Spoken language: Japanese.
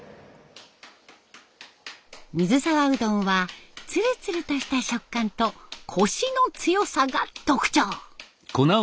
水沢うどんはツルツルとした食感とコシの強さが特徴。